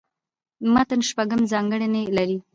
متن شپږ ځانګړني لري.